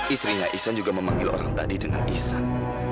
istrinya iksan juga memanggil orang tadi dengan iksan